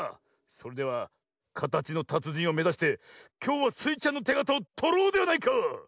それではかたちのたつじんをめざしてきょうはスイちゃんのてがたをとろうではないか！